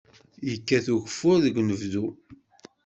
Yekkat ugeffur deg unebdu.